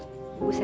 bi kang gustaf tuh